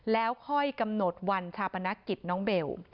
แล้วค่อยกำหนดวันชาปนกิจน้องเบล